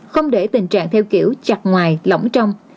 không để tình trạng theo kiểu chặt ngoài lỏng trong